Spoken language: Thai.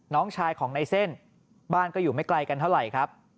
น้องชายของในเส้นบ้านก็อยู่ไม่ไกลกันเท่าไหร่ครับ